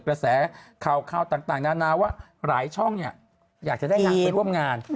กระแสข่าวต่างนานาว่าหลายช่องเนี่ยอยากจะได้นางไปร่วมงาน